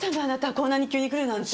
こんなに急に来るなんて！